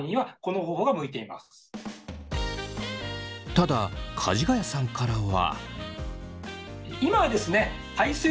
ただかじがやさんからは。